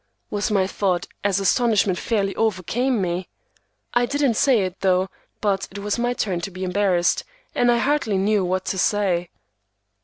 was my thought as astonishment fairly overcame me. I didn't say it, though, but it was my turn to be embarrassed, and I hardly knew what to say.